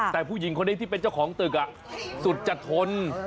แต่ผู้หญิงคนนี้ที่เป็นเจ้าของตึกสุดจะทน